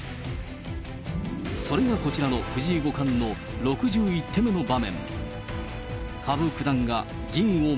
それがこちらの藤井五冠の６１手目の場面。